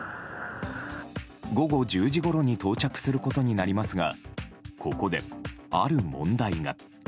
午後１０時ごろに到着することになりますがここで、ある問題が。